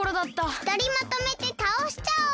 ふたりまとめてたおしちゃおう！